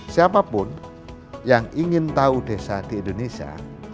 siapapun yang ingin tahu desa di indonesia